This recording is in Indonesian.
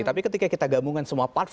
tapi ketika kita gabungkan semua artikel itu